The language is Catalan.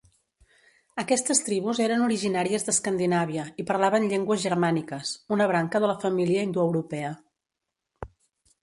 Aquestes tribus eren originàries d'Escandinàvia i parlaven llengües germàniques, una branca de la família indoeuropea.